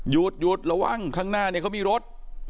หยุดระวังข้างหน้าเนี่ยเขามีรถ